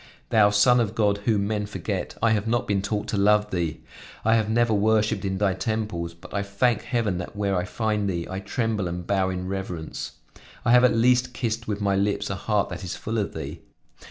Thou Son of God, whom men forget, I have not been taught to love Thee. I have never worshiped in Thy temples, but I thank heaven that where I find Thee, I tremble and bow in reverence. I have at least kissed with my lips a heart that is full of Thee.